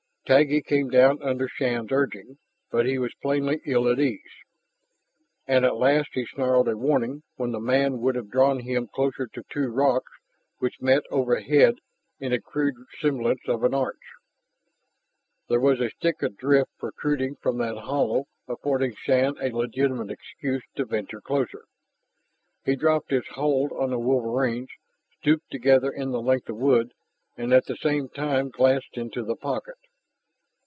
Taggi came down under Shann's urging, but he was plainly ill at ease. And at last he snarled a warning when the man would have drawn him closer to two rocks which met overhead in a crude semblance of an arch. There was a stick of drift protruding from that hollow affording Shann a legitimate excuse to venture closer. He dropped his hold on the wolverines, stooped to gather in the length of wood, and at the same time glanced into the pocket.